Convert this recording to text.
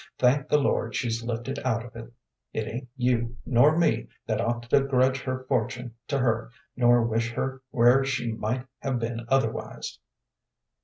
Thank the Lord she's lifted out of it. It ain't you nor me that ought to grudge her fortune to her, nor wish her where she might have been otherwise."